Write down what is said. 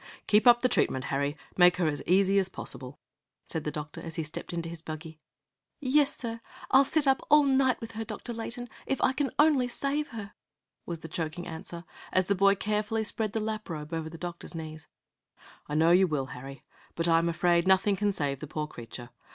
"Keep up the treatment, Harry, and make her as easy as possible," said the doctor as he stepped into his buggy. "Yes, sir; I'll sit up all night with her, Dr. Layton, if I can only save her," was the choking answer, as the boy carefully spread the lap robe over the doctor's knees. "I know you will, Harry; but I am afraid nothing can save the poor creature.